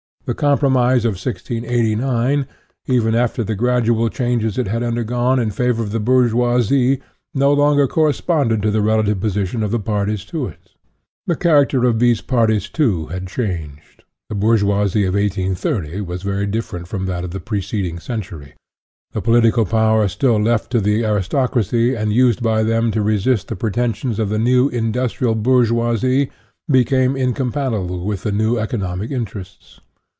The compromise of 1689, even after the gradual changes it had undergone in favor of the bourgeoisie, no longer corresponded to the relative position of the parties to it. The char acter of these parties, too, had changed; the bourgeoisie of 1830 was very different from that of the preceding century. The political power still left to the aristocracy, and used by them to resist the pretensions of the new industrial bour geoisie, became incompatible with the new eco nomic interests.